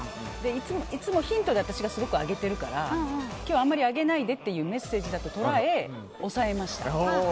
いつもヒントで私がすごく上げているから今日はあんまりあげないでというメッセージと抑えました。